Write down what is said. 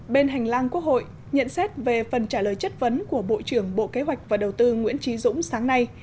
bên hành lang quốc hội nhận xét về phần trả lời chất vấn của bộ trưởng bộ kế hoạch và đầu tư nguyễn trí dũng sáng nay